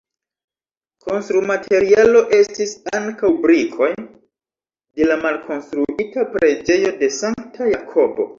Konstrumaterialo estis ankaŭ brikoj de la malkonstruita Preĝejo de Sankta Jakobo.